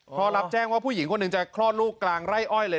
พอรับแจ้งว่าผู้หญิงคนหนึ่งจะคลอดลูกกลางไร่อ้อยเลย